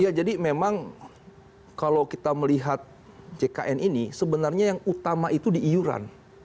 ya jadi memang kalau kita melihat jkn ini sebenarnya yang utama itu di iuran